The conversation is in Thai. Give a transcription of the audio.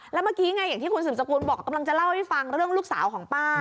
แล้วเมื่อกี้ไงอย่างที่คุณสืบสกุลบอกกำลังจะเล่าให้ฟังเรื่องลูกสาวของป้า